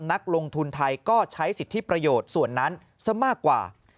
นักลงทุนไทยก็ใช้สิทธิประโยชน์ส่วนนั้นซะมากกว่า